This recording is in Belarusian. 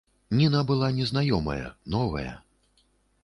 Ніна была незнаёмая, новая.